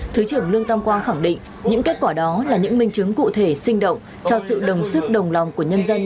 thứ trưởng lương tam quang khẳng định những kết quả đó là những minh chứng cụ thể sinh động cho sự đồng sức đồng lòng của nhân dân